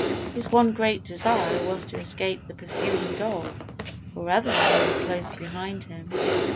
His one great desire was to escape the pursuing dog or other animal close behind him.